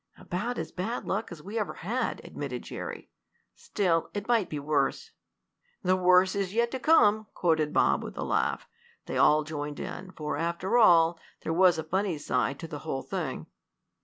"About as bad luck as we ever had," admitted Jerry. "Still it might be worse." "The worst is yet to come," quoted Bob, with a laugh. They all joined in, for, after all, there was a funny side to the whole thing.